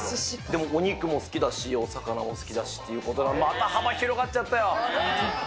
でもお肉も好きだし、お魚も好きだしっていうことで、また幅広がっちゃったよ。